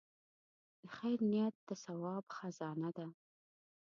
د خیر نیت د ثواب خزانه ده.